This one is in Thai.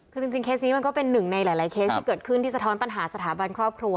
คือจริงเคสนี้มันก็เป็นหนึ่งในหลายเคสที่เกิดขึ้นที่สะท้อนปัญหาสถาบันครอบครัว